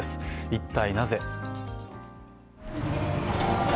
一体なぜ。